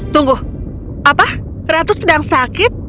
tunggu apa ratu sedang sakit